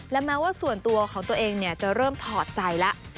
และแม้ว่าส่วนตัวของตัวเองจะเริ่มถอดใจแล้ว